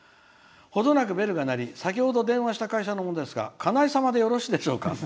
程なくベルが鳴り先ほど電話した会社のものですがかない様でよろしいでしょうか。